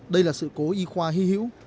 đây là sự cố y khoa hy hữu